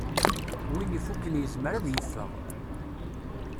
Win ifukken yezmer ad yeffeɣ.